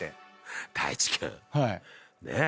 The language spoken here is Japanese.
太一君ねっ。